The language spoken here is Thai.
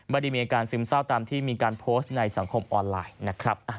ไม่ได้มีอาการซึมเศร้าตามที่มีการโพสต์ในสังคมออนไลน์นะครับ